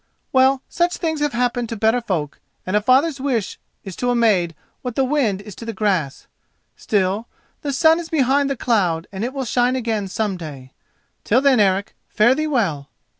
"Well, such things have happened to better folk, and a father's wish is to a maid what the wind is to the grass. Still, the sun is behind the cloud and it will shine again some day. Till then, Eric, fare thee well!"